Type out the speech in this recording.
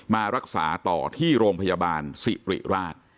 มารักษาต่อที่โรงพยาบาลสิริราช